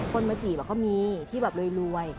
คนมาจีบเขามีที่รวย